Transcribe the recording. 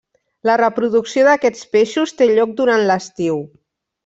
La reproducció d'aquests peixos té lloc durant l'estiu.